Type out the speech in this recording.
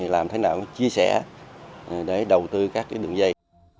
làm thế nào chia sẻ để đầu tư các đường dây